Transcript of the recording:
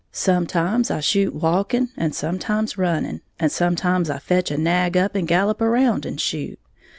Sometimes I shoot walking, and sometimes running, and sometimes I fetch a nag up and gallop around and shoot.